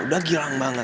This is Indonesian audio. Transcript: udah gilang banget